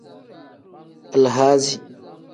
Alahadi.